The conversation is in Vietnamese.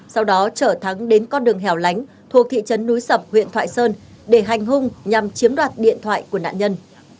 sau đó trở thắng đến con đường hẻo lánh thuộc thị trấn núi sập huyện thoại sơn để hành hung nhằm chiếm đoạt điện thoại của nạn nhân